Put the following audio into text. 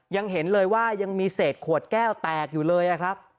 ยังเห็นเลยว่ายังมีเศษขวดแก้วแตกอยู่เลยครับ